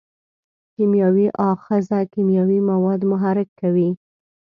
کیمیاوي آخذه کیمیاوي مواد محرک کوي.